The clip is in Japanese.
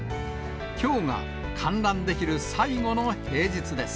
きょうが観覧できる最後の平日です。